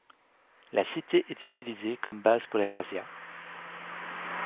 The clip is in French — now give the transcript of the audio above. La cité est utilisée comme base pour les razzias.